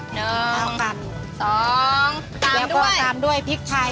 หนึ่งเอากันสองตามด้วยแล้วก็ตามด้วยพริกไทยค่ะ